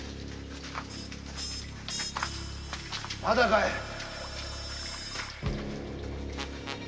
まだかい？